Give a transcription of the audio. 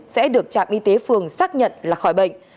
sẽ được trạm y tế phường xác nhận là khỏi bệnh